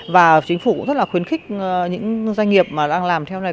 và chính phủ cũng rất là khuyến khích những doanh nghiệp mà đang làm theo này